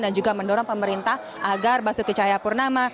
dan juga mendorong pemerintah agar basuh kecahayaan purnama